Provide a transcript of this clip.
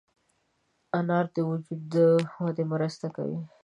انار د وجود د ودې مرسته کوي.